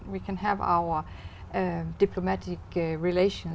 điều đó rất quan trọng